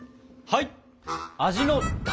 はい！